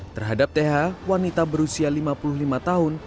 terhadap th wanita berusia lima puluh lima tahun